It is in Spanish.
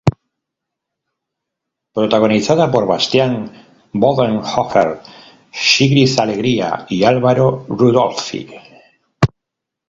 Protagonizada por Bastián Bodenhöfer, Sigrid Alegría y Álvaro Rudolphy.